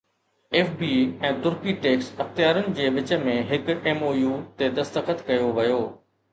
F B ۽ ترڪي tax اختيارين جي وچ ۾ هڪ ايم او يو تي دستخط ڪيو ويو